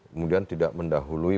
kemudian tidak mendapatkan